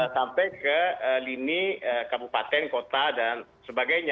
sampai ke lini kabupaten kota dan sebagainya